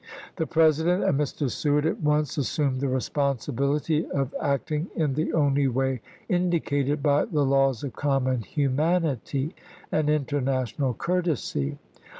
The President and Mr. Seward at once assumed the responsibility of act ing in the only way indicated by the laws of common humanity and international courtesy.